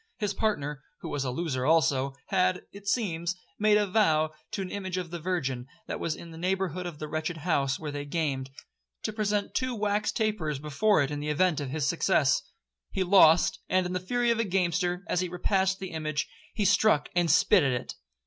His partner, who was a loser also, had, it seems, made a vow to an image of the Virgin, that was in the neighbourhood of the wretched house where they gamed, to present two wax tapers before it in the event of his success. He lost; and, in the fury of a gamester, as he repassed the image, he struck and spit at it.